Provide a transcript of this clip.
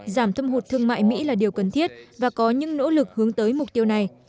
giảm thâm hụt thương mại mỹ là điều cần thiết và có những nỗ lực hướng tới mục tiêu này